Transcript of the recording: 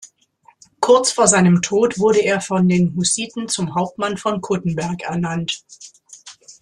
Kurz vor seinem Tod wurde er von den Hussiten zum Hauptmann von Kuttenberg ernannt.